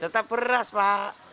tetap beras pak